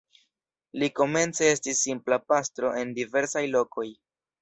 Li komence estis simpla pastro en diversaj lokoj.